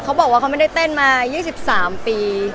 เขาบอกว่าเขาไม่ได้เต้นมา๒๓ปี